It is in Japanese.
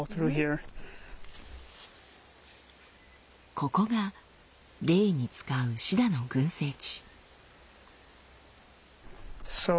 ここがレイに使うシダの群生地。